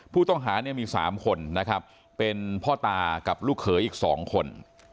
ผู้ต้องหามี๓คนเป็นพ่อตากับลูกเขยอีก๒คน